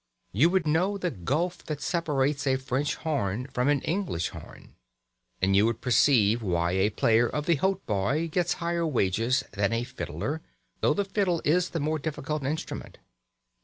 You would know the gulf that separates a French horn from an English horn, and you would perceive why a player of the hautboy gets higher wages than a fiddler, though the fiddle is the more difficult instrument.